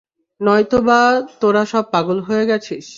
নয়তো বা তোরা সব পাগল হয়ে গেছিস!